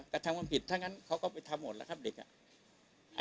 กระทำความผิดถ้างั้นเขาก็ไปทำหมดแล้วครับเด็กอ่ะ